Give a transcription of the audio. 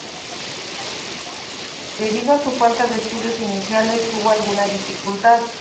Debido a su falta de estudios iniciales, tuvo alguna dificultad.